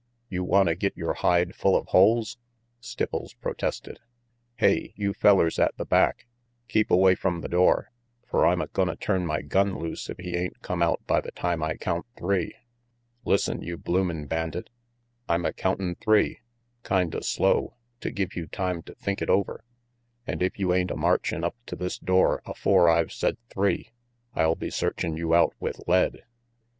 "You wanta get yore hide full of holes?" Stipples protested. "Hey, you fellers at the back, keep away from the door, fer I'm a gonna turn my gun loose if he ain't come out by the time I count three. Listen, you bloomin' bandit, I'm a countin' three, kinda slow, to give you time to think it over, an' if you ain't a marchin' up to this door afore I've said three, I'll be searchin' you out with lead."